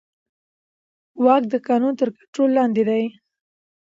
واک د قانون تر کنټرول لاندې دی.